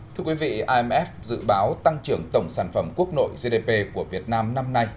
thưa quý vị imf dự báo tăng trưởng tổng sản phẩm quốc nội gdp của việt nam năm nay